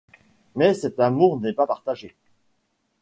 Mais cet amour n'est pas partagé.